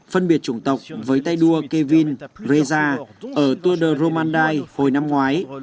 phân biệt chủng tộc với tay đua kevin reza ở tour de romandie hồi năm ngoái